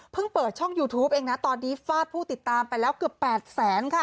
เปิดช่องยูทูปเองนะตอนนี้ฟาดผู้ติดตามไปแล้วเกือบ๘แสนค่ะ